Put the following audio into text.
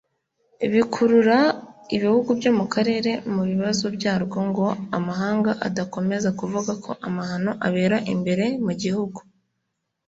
bukurura ibihugu byo mu karere mu bibazo byarwo ngo amahanga adakomeza kuvuga ku mahano abera imbere mu gihugu